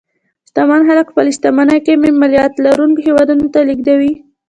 شتمن خلک خپلې شتمنۍ کمې مالیې لرونکو هېوادونو ته لېږدوي.